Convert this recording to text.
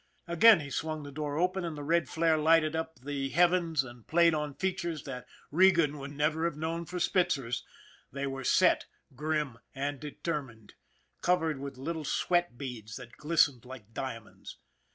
Again he swung the door open, and the red flare lighted up the heavens and played on features that Regan would never have known for Spitzer's they were set, grim and deter mined, covered with little sweat beads that glistened like diamonds.